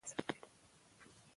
دا جګړه د انګریزانو لپاره سخته وه.